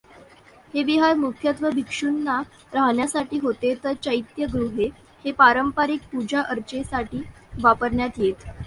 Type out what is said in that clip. हे विहार मुख्यत्वे भिक्षूंना राहण्यासाठी होते तर चैत्यगृहे हे पारंपरिक पूजाअर्चेसाठी वापरण्यात येत.